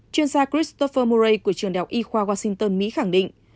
chuyên gia christopher murray của trường đạo y khoa washington mỹ khẳng định